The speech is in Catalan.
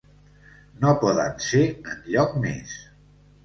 No poden ser enlloc més.